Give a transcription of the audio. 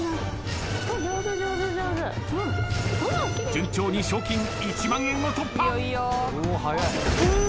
順調に賞金１万円を突破。